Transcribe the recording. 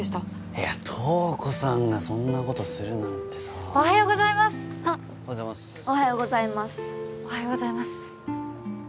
いや瞳子さんがそんなことするなんてさあおはようございますおはようございますおはようございますおはようございます